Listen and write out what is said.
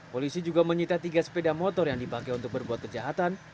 polisi juga menyita tiga sepeda motor yang dipakai untuk berbuat kejahatan